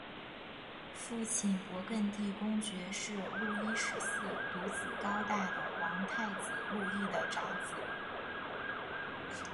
父亲勃艮地公爵是路易十四独子高大的王太子路易的长子。